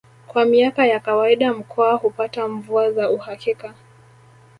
Kwa miaka ya kawaida mkoa hupata mvua za uhakika